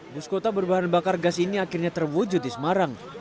bus kota berbahan bakar gas ini akhirnya terwujud di semarang